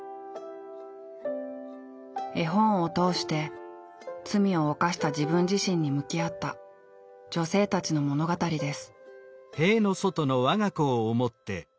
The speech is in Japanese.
絵本を通して罪を犯した自分自身に向き合った女性たちの物語です。